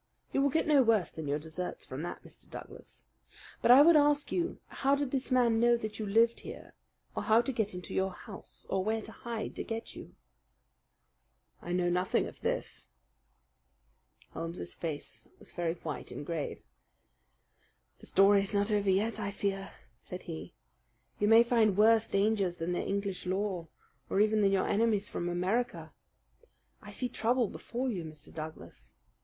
You will get no worse than your deserts from that, Mr. Douglas. But I would ask you how did this man know that you lived here, or how to get into your house, or where to hide to get you?" "I know nothing of this." Holmes's face was very white and grave. "The story is not over yet, I fear," said he. "You may find worse dangers than the English law, or even than your enemies from America. I see trouble before you, Mr. Douglas.